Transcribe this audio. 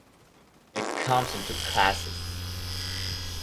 It comes in two classes.